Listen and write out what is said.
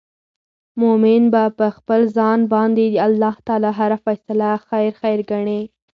مؤمن به په خپل ځان باندي د الله تعالی هره فيصله خير خير ګڼې